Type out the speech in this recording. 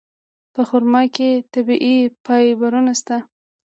په خرما کې طبیعي فایبرونه شته.